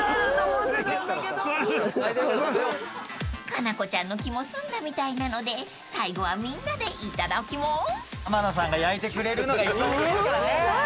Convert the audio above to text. ［可奈子ちゃんの気も済んだみたいなので最後はみんなでいただきます］